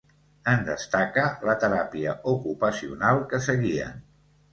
En destaca la teràpia ocupacional que seguien.